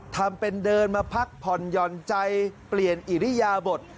ทำเป็นเดินมาพักผ่อนหย่อนใจเปลี่ยนอิริยาบท